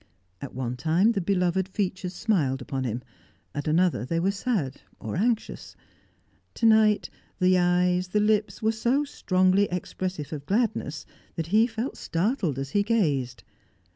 At one time the beloved features smiled upon him; at another they were sad, or anxious. To night, the eyes, the lips were so strongly expressive of gladness that he felt startled as he gazed.